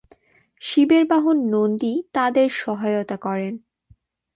শিবের বাহন নন্দী তাদের সহায়তা করেন।